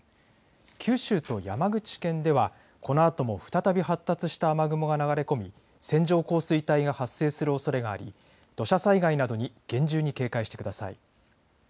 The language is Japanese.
九州と山口県ではこのあとも再び発達した雨雲が流れ込み線状降水帯が発生するおそれがあり土砂災害などに厳重に警戒してください。